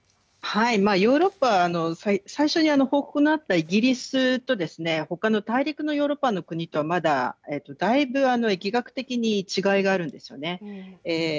ヨーロッパは最初に報告のあったイギリスとほかの大陸のヨーロッパの国とまだ、だいぶ疫学的に違いがあるんですよね。